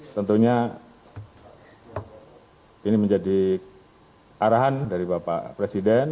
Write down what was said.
tentunya ini menjadi arahan dari bapak presiden